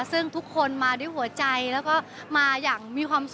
ซึ่งทุกคนมาด้วยหัวใจแล้วก็มาอย่างมีความสุข